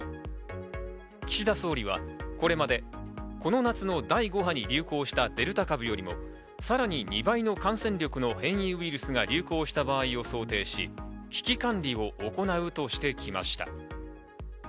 岸田総理はこれまでこの夏の第５波に流行したデルタ株よりもさらに２倍の感染力の変異ウイルスが流行した場合を想定し、危機管理を行うとしてきました。